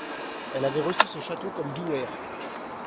Elle avait reçu ce château comme douaire.